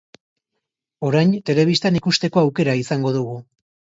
Orain, telebistan ikusteko aukera izango dugu.